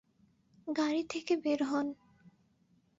গাড়ি থেকে বের হন!